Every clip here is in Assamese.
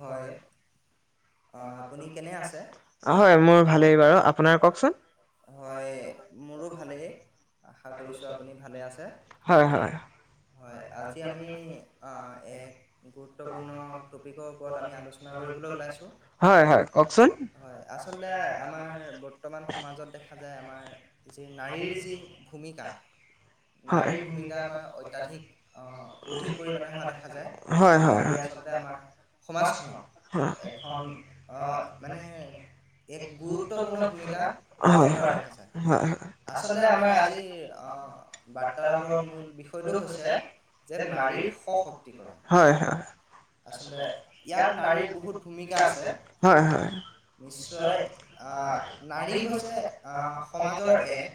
হয়। অ' আপুনি কেনে আছে? [unintelligible] হয়, মোৰো ভালেই। আশা কৰিছো আপুনি ভালে আছে। হয়, আজি আমি অ', এক গুৰুত্বপূৰ্ণ ট টপিকৰ ওপৰত আমি আলোচনা কৰিবলৈ ওলাইছোঁ। হয়, হয় কওক চোন, আচলতে আমাৰ বৰ্তমান সমাজত দেখা যায় আমাৰ যি নাৰীৰ যি ভূমিকা নাৰীৰ ভূমিকা আমাৰ অত্যাধিক অ', অধিক পৰিমাণে হোৱা দেখা যায়। নাৰী আচলতে আমাৰ [inaudible] এক গুৰুত্বপূৰ্ণ ভুমিকা [unintelligible] আচলতে আমাৰ আজি অ'। বাৰ্তালাপৰ মূল বিষয়টো হৈছে যে, 'নাৰীৰ সশক্তি [unintelligible] হয় হয়। আছে ইয়াত নাৰীৰ বহুত ভূমিকা আছে, হয় হয়। নিশ্চয় আ', নাৰী হৈছে আ', সমাজৰ এক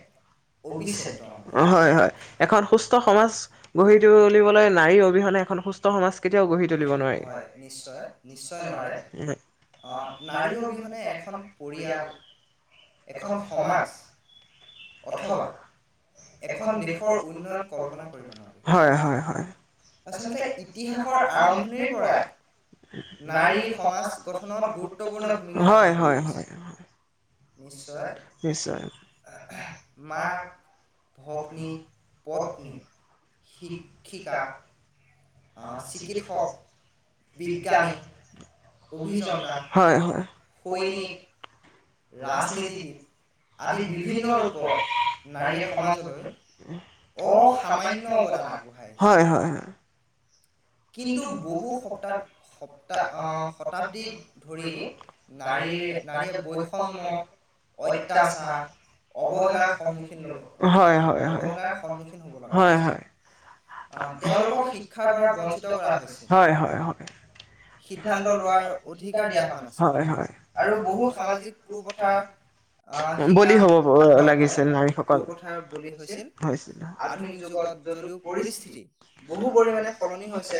অবিচ্ছেদ্য অংগ, অ', হয় হয় এখন সুস্থ সমাজ গঢ়ি তুলিবলৈ নাৰী অবিহনে এখন সুস্থ [unintelligible] সমাজ কেতিয়াও গঢ়ি তুলিব নোৱাৰি উম' অ', নাৰী অবিহনে এখন পৰিয়াল এখন সমাজ। অথবা। এখন দেশৰ উন্নয়ন [unintelligible] হয়, হয়, হয়। আচলতে ইতিহাসৰ আৰম্ভণিৰ পৰাই নাৰী সমাজ গঠনত গুৰুত্বপূৰ্ণ ভূমিকা পালন কৰি আহিছে। নিশ্চয়, মাক ভগ্নী, পত্নী, শিক্ষিকা, অ', চিকিৎসক, বিজ্ঞানী, অভিযন্তা, সৈনিক, ৰাজনীতিবিদ, আদি বিভিন্ন ৰূপত, শ নাৰীয়ে সমাজলৈ অসামান্য অৱদান আগ বঢ়াই আহিছে। কিন্তু বহু সপ্তক-সপ্তা- শতাব্দী ধৰি নাৰীৰ নাৰীয়ে বৈষম্য অত্যাচাৰ অবহেলাৰ সন্মুখীন হ'ব, হয়, হয়। [inaudible] অ', তেওঁলোকক শিক্ষাৰ পৰ বঞ্চিত কৰা হৈছে, হয়, হয়, হয়। সিদ্ধান্ত লোৱা হয় অধিকাৰ দিয়া হোৱা নাছিল। হয়, হয় আৰু বহু সামাজিক কু-প্ৰথা অ', বলি হ'ব লাগিছিল নাৰীসকল, কু-প্ৰথাৰ বলি হৈছিল, হৈছিল। আধুনিক যুগত য'ত পৰিস্থিতি বহু পৰিমানে সলনি হৈছে।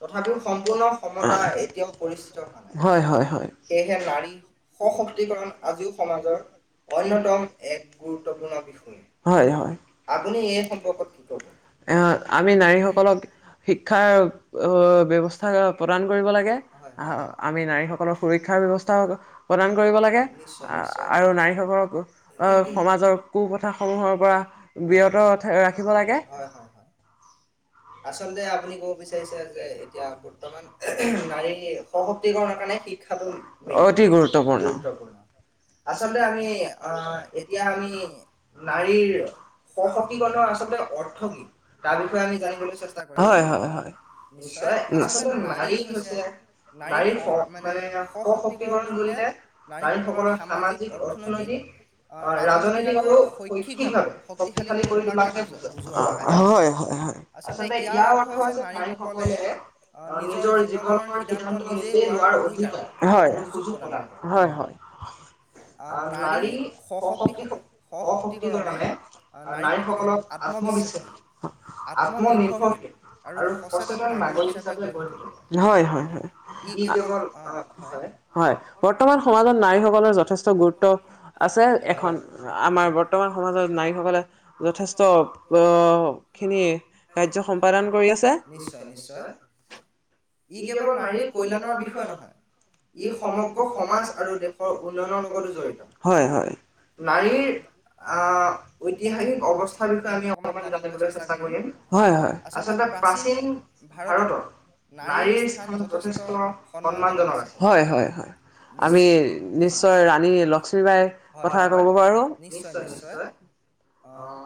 তথাপি সম্পূৰ্ণ সমতাৰ এতিয়াও পৰিচিত হোৱা নাই, হয়, হয়, হয় সেয়হে [inaudible] অশক্তিকৰণ আজিও সমাজৰ অন্যতম এক গুৰুত্বপূৰ্ণ বিষয়। হয়, হয়, আপুনি এই সম্পৰ্কত কি ক'ব? আহ, আমি নাৰীসকলক শিক্ষাৰ আহ, ব্যৱস্থা প্ৰদান কৰিব লাগে, আহ, আমি নাৰীসকলৰ সুৰক্ষাৰ ব্যৱস্থা প্ৰদান কৰিব লাগে, আ- আৰু নাৰীসকলক আহ, সমাজৰ কু-পথাসমূহৰ পৰা [unintelligible] আচলতে আপুনি ক'ব বিচাৰিছে যে, এতিয়া বৰ্তমান নাৰী সশক্তিকৰণৰ কাৰণে শিক্ষাটো মেইন, অতি গুৰুত্বপূৰ্ণ, গুৰুত্বপূৰ্ণ। আচলতে আমি আ', এতিয়া আমি নাৰীৰ সশত্তিকৰণৰ আচলতে অৰ্থ কি? তাৰ বিষয়ে আমি জানিবলৈ চেষ্টা কৰিম। হয়, হয়। নিশ্চয়, আচলতে নাৰী হৈছে নাৰী স- মানে সশক্তিকৰণ বুলিলে নাৰীসকলৰ সামাজিক অৰ্থনৈতিক অ', ৰাজনৈতিক আৰু শৈক্ষিকভাৱে শক্তিশালী কৰি তোলাকে বুজো- বুজোৱা হয়, হয় আচলতে ইয়াৰ অৰ্থ [unintelligible] নাৰীসকলে অ', নিজৰ জীৱনৰ সিদ্ধান্ত নিজেই লোৱাৰ অধিকাৰ, হয়, সুযোগ প্ৰদান কৰে, হয়, হয়। আহ নাৰী অশক্তি অশক্তি কৰ বাবে নাৰীসকলক আত্মবিশ্বাস আত্মনিৰ্ভৰশী আৰু সচেতন নাগৰিক হিচাপে গঢ়ি তোলা হয়। হয়। ই কেবল হয়। হয়। বৰ্তমান সমাজত নাৰীসকলৰ যথেষ্ট গুৰুত্ব আছে। এখন আমাৰ বৰ্তমান সমাজত নাৰীসকলে যথেষ্ট আহ খিনি কাৰ্য্য সম সম্পদান কৰি আছে। নিশ্চয় নিশ্চয় ই কেৱল নাৰীৰ কল্যাণৰ বিষয়ে নহয়। ই সমগ্ৰ সমাজ আৰু দেশৰ [unintelligible] হয়। হয়। নাৰীৰ আহ ঐতিহাসিক অৱস্থাৰ বিষয়ে আমি অলপমান জানিবলৈ চেষ্টা কৰিম হয়। হয়। আচলতে প্ৰাচীন ভাৰতত নাৰীৰ স্থান যথেষ্ট সন্মানজনক আছে। হয়। হয়। হয়। আমি নিশ্চয় ৰাণী লক্ষ্মী বাইৰ কথা কব পাৰো। নিশ্চয়, নিশ্চয় আহ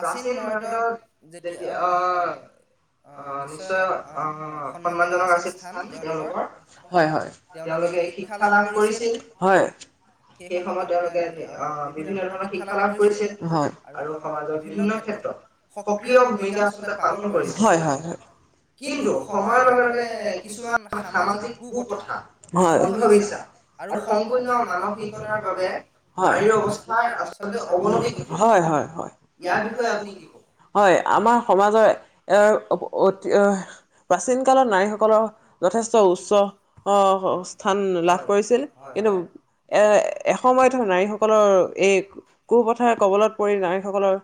প্ৰাচীন ভাৰতৰ যেতিয়া আহ হয়। অ', নিশ্চয় অ, সন্মান জনক আছিল স্থান তেওঁলোকৰ হয়। হয়। তেওঁলোকে শিক্ষা দান কৰিছিল হয়। সেই সময়ত তেওঁলোকে বিভিন্ন ধৰণৰ শিক্ষা লাভ কৰিছিল আৰু সমাজৰ বিভিন্ন সক্ৰিয় ভূমিকা আচল পালন কৰিছিল হয়। হয়। কিন্তু সময়ৰ লগে। লগে। কিছুমান সামাজিক কু কথা অন্ধবিশ্বাস আৰু সম্পূৰ্ণ মানসিকতাৰ বাবে হয়। এই অৱস্থাৰ আচল অৱনতি হয়। হয়। হয়। ইয়াৰ বিষয়ে আপুনি কি কয়? আমাৰ সমাজৰ এ অতি প্ৰাচীন কালত নাৰীসকলৰ যথেষ্ট উচ্চ স্থান লাভ কৰিছিল। কিন্তু এ, এসময়ত নাৰীসকলৰ এই কুপথাৰ কবলত পৰি নাৰীসকলৰ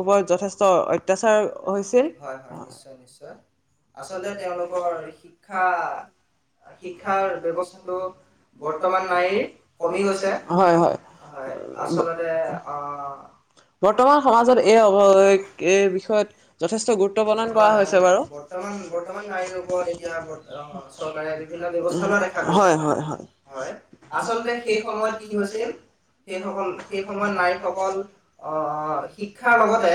ওপৰত যথেষ্ট অত্যাচাৰ হৈছিল। হয়। হয়। নিশ্চয় নিশ্চয় আচলতে তেওঁলোকৰ শিক্ষা শিক্ষাৰ ব্যৱস্থাটো বৰ্তমান নাই কমি গৈছে। হয়। হয়। হয়। আচলতে অ, বৰ্তমান সমাজত এই অৱ বিষয়ত যথেষ্ট গুৰুত্ব প্ৰদান কৰা হৈছে, বাৰু বৰ্তমান বৰ্তমান নাৰী ওপৰত এতিয়া চৰকাৰে বিভিন্ন ব্যৱস্থা লোৱা দেখা গৈছে হয়। হয়। হয়। হয়। আচলতে সেই সময়ত কি হৈছিল? সেই সকল সেই সময়ত নাৰীসকল আহ শিক্ষাৰ লগতে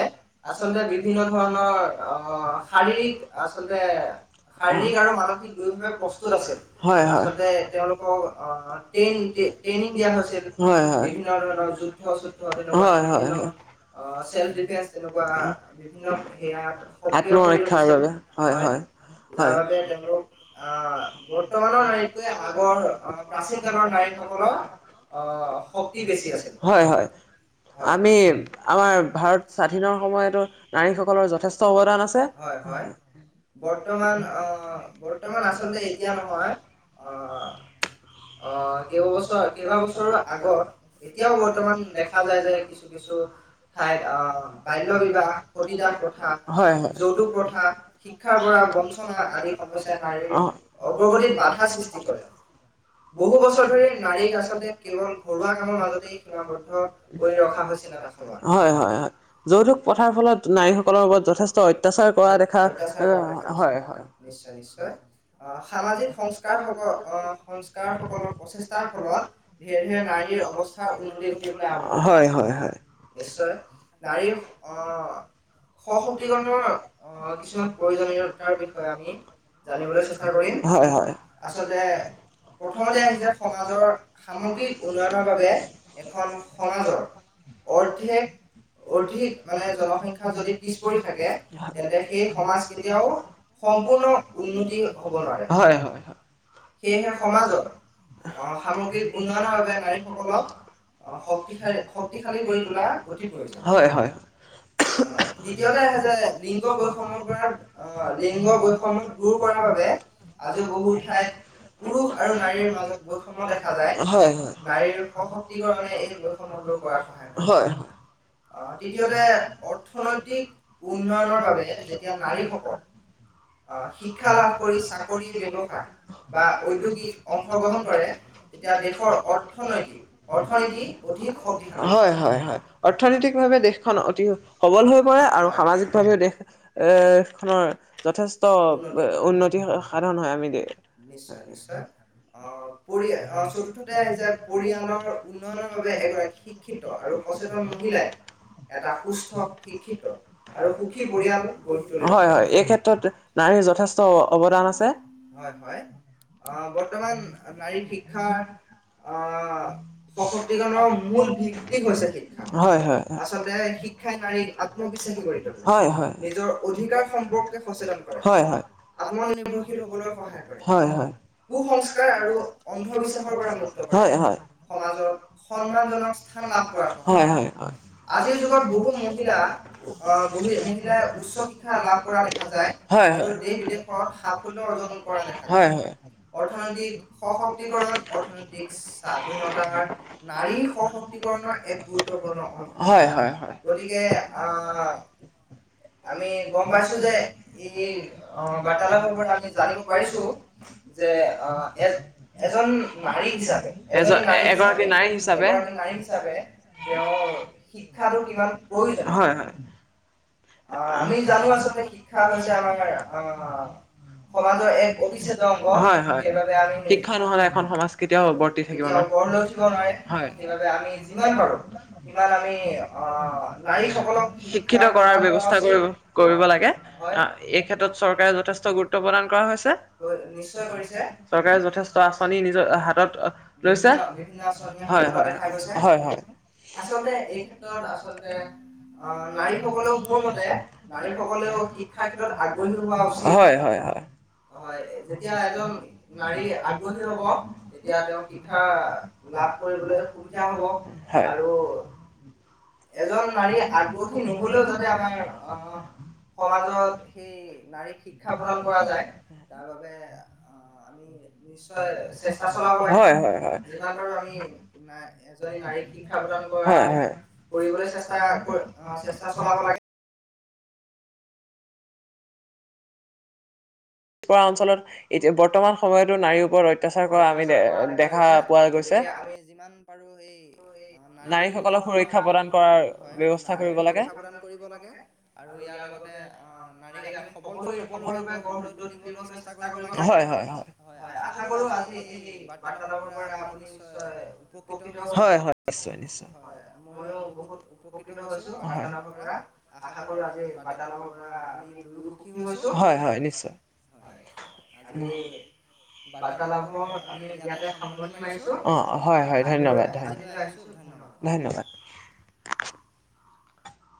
আচলতে বিভিন্ন ধৰণৰ অ, শাৰীৰিক আচলতে শাৰীৰিক আৰু মানসিক দুভে প্ৰস্তুত আছিল। হয়। হয়। আচলতে তেওঁলোকৰ অ', ট্ৰেন ট্ৰেনিং দিয়া হৈছে। হয়। হয়। বিভিন্ন ধৰনৰ যুদ্ধ চুদ্ধ হয়। হয়। অ', চেল্ফ ডিফেন্স তেনেকুৱা আত্মৰক্ষাৰ বাবে হয়। হয়। তেওঁলোক আহ বৰ্তমানৰ হেটোৱে আগৰ প্ৰাচীন কালৰ নাৰীসকলৰ আহ শক্তি বেছি আছিল। হয়। হয়। আমি আমাৰ ভাৰত স্বাধীনৰ সময়তো নাৰীসকলৰ যথেষ্ট অৱদান আছে। হয়। হয়। বৰ্তমান আহ বৰ্তমান আচলতে এতিয়া নহয় আহ, অ', কেইবাবছৰ কেইবাবছৰৰ আগত এতিয়াও বৰ্তমান দেখা যায় যে, কিছু কিছু ঠাই অ, বাল্য বিবাহ সতি দাহ প্ৰথা, যৌতুক প্ৰথা, শিক্ষাৰ পৰা বঞ্চন আদি সমস্যা নাৰীৰ অগ্ৰগতিত বাধা সৃষ্টি কৰে। বহু বছৰ ধৰি নাৰীক আচলতে কেৱল ঘৰুৱা কামৰ মাজতে সিমাবদ্ধ কৰি ৰখা হৈছিল এটা সময়ত, হয় হয় হয় যৌতুক পথাৰ ফলত নাৰীসকলৰ ওপৰত যথেষ্ট অত্যাচাৰ কৰা দেখা, হয় হয়, নিশ্চয় নিশ্চয়। অ', সামাজিক সংস্কাৰ হ'ব অ' সকল প্ৰচেষ্টাৰ ফলত ধিৰে ধিৰে নাৰীৰ অৱস্থাৰ উন্নতি হ'বলৈ আৰম্ভ, হয়, হয়, হয়। নিশ্চয় নাৰী অ' সশক্তিকণৰ আহ কিছুমান প্ৰয়োজনীয়তাৰ বিষয়ে আমি জানিবলৈ চেষ্টা কৰিম হয় হয়, আচলতে প্ৰথমতে আহিছে সমাজৰ সামগ্ৰিক উন্নয়নৰ বাবে এখন সমাজৰ। অৰ্ধেক অৰ্ধিক মানে জলসম্প যদি পিছ পৰি থাকে, তেন্তে সেই সমাজ কেতিয়াও সম্পূৰ্ণ উন্নতি হ'ব নোৱাৰে, হয়, হয়, হয়। সেয়েহে সমাজৰ অ', সামগ্ৰীক উন্নয়নৰ বাবে নাৰীসকলক অ', শক্তিশালী, শক্তিশালী কৰি তোলাৰ গতি কৰিছে, হয় হয়। দ্বিতীয়তে হৈছে লিংগ বৈশমৰ কৰা অ', লিংগ অসমত গুৰ কৰাৰ বাবে আজি বহু ঠাইত পুৰুষ আৰু নাৰীৰ মাজত বৈষম্য দেখা যায়, হয় নাৰীৰ সশক্তি কাৰণে এই বৈ কৰা সহায় হয় হয় অ', তৃতীয়তে অৰ্থনৈতিক উন্নয়নৰ বাবে, যেতিয়া নাৰীসকল অ', শিক্ষা লাভ কৰি চাকৰি নে ব্যৱসায় বা ঔদ্যোগিক অংশগ্ৰহণ কৰে, এতিয়া দেশৰ অৰ্থনৈতিক অৰ্থনীতি অধিক শক্তিশালী, হয় হয় হয় অৰ্থনৈতিক ভাৱে দেশখন অতি সবল হৈ পৰে আৰু সামাজিকভাৱেও দেশখনৰ যথেষ্ট উন্নতি হয়। সাধণ হয় আমিদে। নিশ্চয়, নিশ্চয়। আহ পৰিয় আহ চতুৰ্থতে আহি যায় পৰিয়ালৰ উন্নয়নৰ বাবে এগৰাকী শি শিক্ষিত আৰু সচেতন মহিলাই এটা সুস্থ শিক্ষিত আৰু সুখী পৰিয়াল গঢ়ি তুলিব পাৰে। নাৰীৰ যথেষ্ট অৱদান আছে, হয় হয়। অহ বৰ্তমান নাৰীৰ শিক্ষাৰ অহ সশক্তিকণৰ মূল ভিত্তি হৈছে শিক্ষা, আচলতে শি শিক্ষাই নাৰীক আত্মবিশ্বাসী কৰি তোলে নিজৰ অধিকাৰ সম্পৰ্কে সচেতন কৰে। আত্মনিৰ্ভৰশীল হ'বলৈ সহায় কৰে। হয় হয়। কুসংস্কাৰ আৰু অন্ধবিশ্বাসৰ পৰা মুক্ত কৰে, হয় হয় সমাজৰ সন্মান জনক হয় হয় হয়, আজিৰ যুগত বহু মহিলা অ', বহু মহিলাই উচ্চ শিক্ষা লাভ কৰা দেখা যায়, হয় হয় ঘৰত সাফল্য অৰ্জন কৰে, হয়, হয়, হয়। অৰ্থনৈতিক সশক্তিকৰণ অৰ্থনৈতিক স্বাধীনতাকাৰ নাৰীৰ সশক্তিকৰণৰ এক গুৰুত্বপূৰ্ণ, হয়, হয়, হয়। গতিকে আ আমি গম পাইছোঁ যে, ই অ', বাৰ্তালাপৰ কথা আমি জানিব পাৰিছোঁ। যে অ এ এজন নাৰী হিচাপে এজন এগৰাকী নাৰী হিচাপে হিচাপে তেওঁ শিক্ষাটো কিমান প্ৰয়োজনীয় হয় হয় অ আমি জানো আচলতে শিক্ষা হৈছে আমাৰ অ সমাজৰ এক অবিচ্ছেদ্য অংগ হয় হয়। শিক্ষা নহ'লে এখন সমাজ কেতিয়াও গঢ় লৈ উঠিব নোৱাৰে হয়। সেইবাবে আমি যিমান পাৰো সিমান আমি অ নাৰীসকলক শিক্ষিত কৰাৰ বে কৰিব লাগে আহ এই ক্ষেত্ৰত চৰকাৰে যথেষ্ট গুৰুত্ব প্ৰদান কৰা হৈছে। হয় নিশ্চয় কৰিছে। চৰকাৰে যথেষ্ট আঁচনি নিজৰ হাতত লৈছে হয় হয় হয় হয় আচলতে এই ক্ষেত্ৰত আচলতে অ নাৰীসকলেও প্ৰথমতে নাৰীসকলেও শিক্ষাৰ ক্ষেত্ৰত আগ্ৰহী হোৱা উচিত। হয়-হয়-হয়। হয় যেতিয়া এজন নাৰী আগ্ৰহী হ'ব তেতিয়া তেওঁ শিক্ষা লাভ কৰিবলৈ সুবিধা হ'ব আৰু এজন নাৰী আগ্ৰহী নহ'লেও তাতে আমাৰ অ সমাজত সেই নাৰীক শিক্ষা প্ৰদান কৰা যায় তাৰ বাবে আহ আমি নিশ্চয় চেষ্টা চলাব লাগে। যিমান পাৰো আমি নাই এজনী নাৰীক শিক্ষা প্ৰদান কৰা কৰিবলৈ চেষ্টা অ চেষ্টা চলাব লাগে। পিছপৰা অঞ্চলত এতিয়া বৰ্তমান সময়তো নাৰীৰ ওপৰত অত্যাচাৰ কৰা আমি দে উদ্ধাৰ কৰাত গতিকে আমি যিমান পাৰো সেই নাৰীৰ ওপৰত থকা হয়। নাৰীৰ সুৰক্ষা প্ৰদান কৰিব লাগে। আৰু ইয়াৰ লগতে অ নাৰীক আমি সবল সবলৰূপে গঢ় লৈ তুলিবলৈ চেষ্টা কৰিব লাগে। হয় আশা কৰো আজি এই বাৰ্তালাপৰ পৰা আপুনি নিশ্চয় উপকৃত হৈছে। হয় ময়ো বহুত উপকৃত হৈছো বাৰ্তালাপৰ পৰা। আশা কৰো আজি বাৰ্তালাপৰ পৰা আমি দুয়ো সুখী হৈছো। হয় আজি বাৰ্তালাভৰ আমি ইয়াত ইয়াতে সামৰণি মাৰিছো, আহিলৈ আজিলৈ আহিছো ধন্যবাদ। ধন্যবাদ।